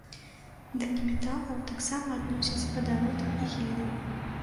Да неметалаў таксама адносяць вадарод і гелій.